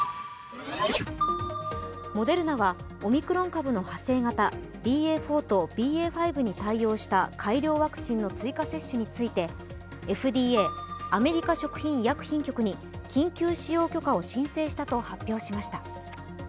モデルナはオミクロン株の派生型ＢＡ．４とＢＡ．５に対応した改良ワクチンの追加接種についてＦＤＡ＝アメリカ食品医薬品局に緊急使用許可を申請したと発表しました。